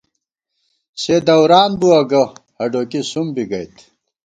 سے دَوران بُوَہ گہ ہَڈوکی سُم بی گئیت